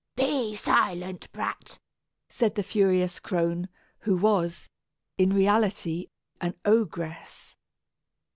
"Be silent, brat," said the furious crone, who was, in reality, an ogress.